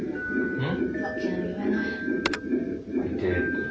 うん。